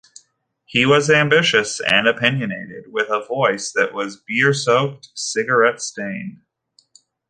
He was ambitious and opinionated, with a voice that was 'beer-soaked, cigarette-stained'.